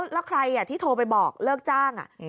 แล้วใครที่โทรไปบอกเลิกจ้าง